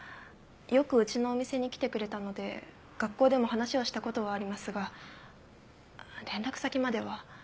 よくうちのお店に来てくれたので学校でも話をしたことはありますが連絡先までは。